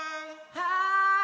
はい！